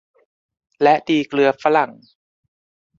และดีเกลือฝรั่ง